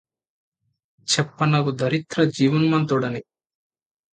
చెప్పనగు ధరిత్ర జీవన్మృతుం డని